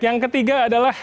yang ketiga adalah